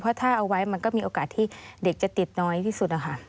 เพราะถ้าเอาไว้มันก็มีโอกาสที่เด็กจะติดน้อยที่สุดนะคะ